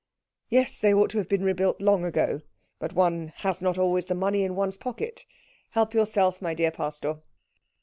"Yes, they ought to have been rebuilt long ago, but one has not always the money in one's pocket. Help yourself, my dear pastor."